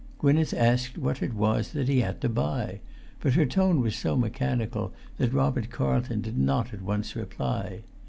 Gwynneth asked what it was that he had to buy; but her tone was so mechanical that Robert Carlton did not at once reply.